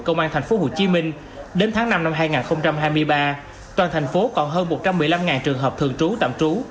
công an tp hcm đến tháng năm năm hai nghìn hai mươi ba toàn thành phố còn hơn một trăm một mươi năm trường hợp thường trú tạm trú